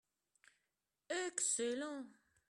Excellent